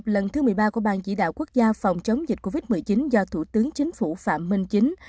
lần thứ một mươi ba của ban chỉ đạo quốc gia phòng chống dịch covid một mươi chín do thủ tướng chính phủ phạm minh chính